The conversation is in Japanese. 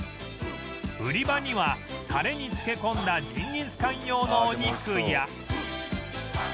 売り場にはタレに漬け込んだジンギスカン用のお肉や